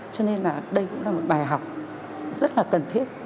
cho nên là đây cũng là một bài học rất là cần thiết